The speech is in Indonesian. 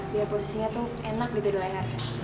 biar posisinya tuh enak gitu di leher